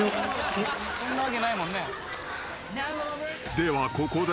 ［ではここで］